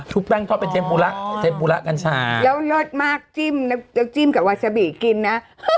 ชุบแป้งทอดเป็นเซ็บบูระกันชาแล้วรสมากจิ้มกับวาซาบี้กินนะ